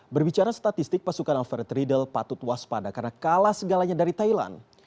berbicara statistik pasukan alfred riedel patut waspada karena kalah segalanya dari thailand